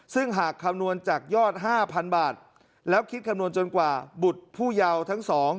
ซึ่งหากคำนวณจากยอด๕๐๐๐บาทแล้วคิดคำนวณจนกว่าบุตรผู้เยาว์ทั้งสอง